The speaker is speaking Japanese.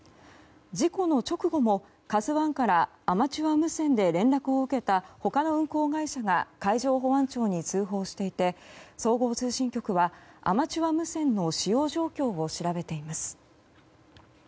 事故の直後も「ＫＡＺＵ１」からアマチュア無線で連絡を受けた他の運航会社が海上保安庁に通報していて総合通信局はアマチュア無線の使用状況を調べています。